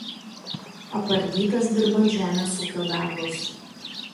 Apardytas dirbant žemės ūkio darbus.